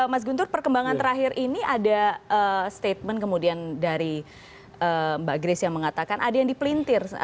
mas guntur perkembangan terakhir ini ada statement kemudian dari mbak grace yang mengatakan ada yang dipelintir